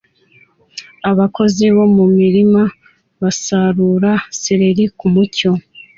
Abakozi bo mu mirima basarura seleri ku mucyo